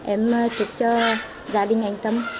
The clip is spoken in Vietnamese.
em chúc cho gia đình anh tâm